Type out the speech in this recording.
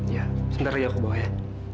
ya sebentar lagi aku bawa ya